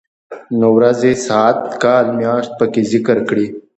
نو ورځې ،ساعت، کال ،مياشت پکې ذکر کړي.